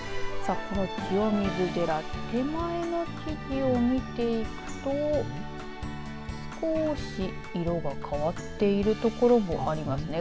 この清水寺手前の木々を見ていくと少し色が変わっている所もありますね。